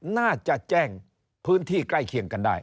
น่าจะแจ้งพื้นที่ใกล้เคียงกันได้